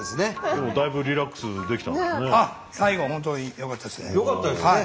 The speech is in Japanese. でもだいぶリラックスできたんですね。